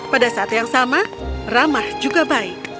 pada saat yang sama ramah juga baik